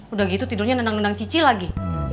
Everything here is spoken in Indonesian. udah gitu tidurnya nendang nendang cici lagi